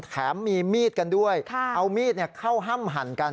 แถมมีมีดกันด้วยเอามีดเข้าห้ำหั่นกัน